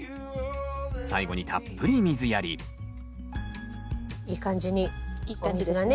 最後にたっぷり水やりいい感じにお水がね